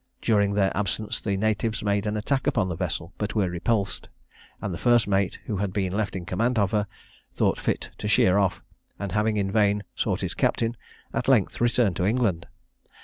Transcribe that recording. During their absence the natives made an attack upon the vessel, but were repulsed; and the first mate, who had been left in command of her, thought fit to sheer off, and having in vain sought his captain, at length returned to England.